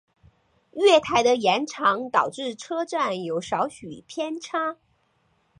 月台的延长导致车站有少许偏差。